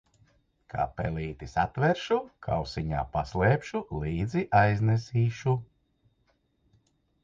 Kā pelīti satveršu, kausiņā paslēpšu, līdzi aiznesīšu.